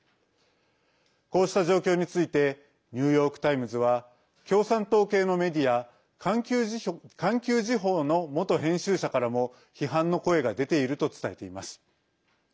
こうした状況についてニューヨーク・タイムズは共産党系のメディア環球時報の元編集者からも批判の声が出ていると伝えています。